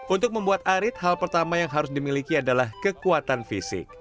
untuk membuat arit hal pertama yang harus dimiliki adalah kekuatan fisik